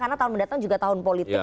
karena tahun mendatang juga tahun politik